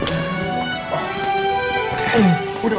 udah udah udah